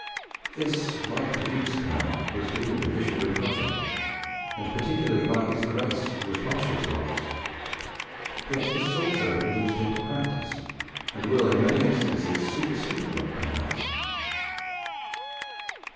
This, like the Duke's canal, was deemed a visionary project, and particularly by his Grace, who was partial to locks; yet this is also introduced into practice, and will in many instances supersede lock canals."